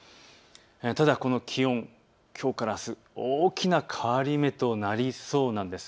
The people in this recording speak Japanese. ただこの気温、きょうからあす大きな変わり目となりそうなんです。